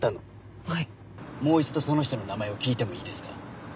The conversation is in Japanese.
もう一度その人の名前を聞いてもいいですか？